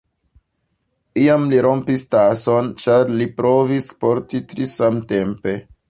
Iam li rompis tason, ĉar li provis porti tri samtempe.